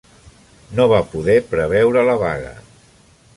No va poder preveure la vaga.